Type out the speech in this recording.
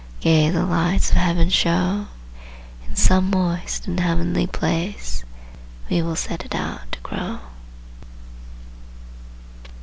Gay the lights of Heaven show! In some moist and Heavenly place We will set it out to grow.